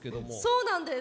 そうなんです。